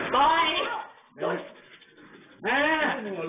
เดี๋ยวเพื่อนยืด